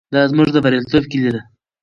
دا زموږ د بریالیتوب کیلي ده.